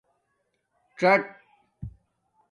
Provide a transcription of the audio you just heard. جݳٹ